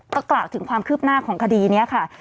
ก็กล่าวถึงความคืบหน้าของคดีนี้ค่ะ